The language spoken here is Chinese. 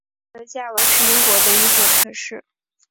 克雷加文是英国的一座城市。